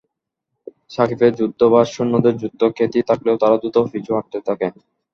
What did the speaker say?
ছাকীফের যুদ্ধবাজ সৈন্যদের যুদ্ধ-খ্যাতি থাকলেও তারা দ্রুত পিছু হটতে থাকে।